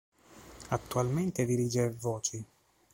Attualmente dirige "Voci.